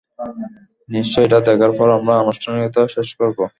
নিশ্চয় এটা দেখার পর আমরা আনুষ্ঠানিকতা শেষ করব।